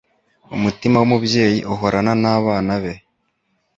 Umutima wumubyeyi uhorana nabana be.